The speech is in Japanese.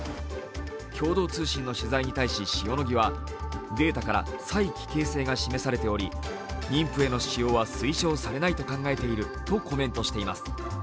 共同通信の取材に対し塩野義はデータから催奇形性が示されており、妊婦への使用は推奨されないと考えているコメントしています。